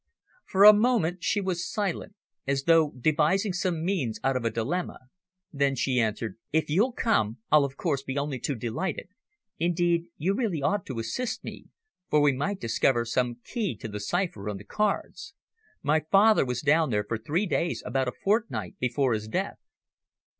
For a moment she was silent, as though devising some means out of a dilemma, then she answered "If you'll come, I'll of course be only too delighted. Indeed, you really ought to assist me, for we might discover some key to the cipher on the cards. My father was down there for three days about a fortnight before his death."